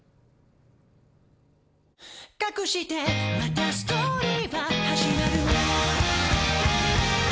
「かくしてまたストーリーは始まる」